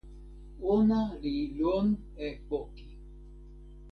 ona li lon e poki!